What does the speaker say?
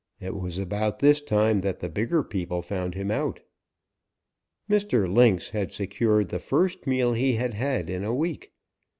It was about this time that the bigger people found him out. "Mr. Lynx had secured the first meal he had had in a week.